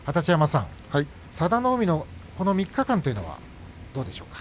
佐田の海のこの３日間はどうでしょうか。